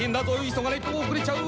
「急がないと遅れちゃう」